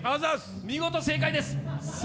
見事正解です。